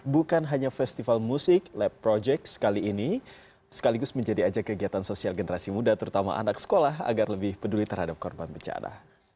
bukan hanya festival musik lab project sekali ini sekaligus menjadi ajak kegiatan sosial generasi muda terutama anak sekolah agar lebih peduli terhadap korban bencana